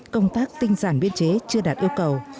công tác tinh giản biên chế chưa đạt yêu cầu